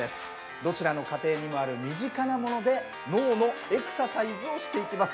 どちらの家庭にもある身近なもので脳のエクササイズをしていきます。